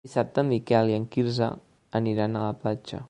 Dissabte en Miquel i en Quirze aniran a la platja.